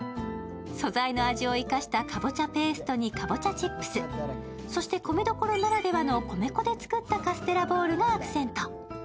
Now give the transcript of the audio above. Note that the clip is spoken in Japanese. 素材の味を生かしたかぼちゃペーストにかぼちゃチップス、そして米どころならではの米粉で作ったカステラボールがアクセント。